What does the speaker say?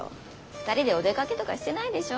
２人でお出かけとかしてないでしょ？